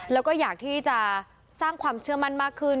แล้วก็อยากที่จะสร้างความเชื่อมั่นมากขึ้น